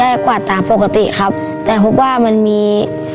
หลบไปในเวลา๓นาที